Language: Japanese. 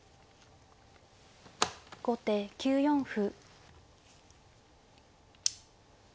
後手９四歩。